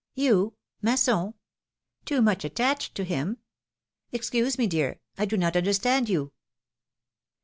"You? Masson? Too much attached to him? Excuse me, dear, I do not understand you